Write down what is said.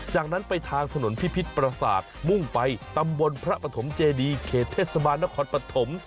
จากนั้นไปทางถนนพิพิษประสาทมุ่งไปตำบลพระปฐมเจดีเขตเทศบาลนครปฐม